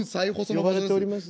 「呼ばれております」。